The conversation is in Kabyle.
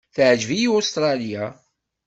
Teɛjeb-iyi Ustṛalya.